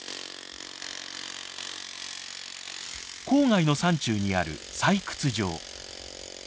郊外の山中にある採掘場。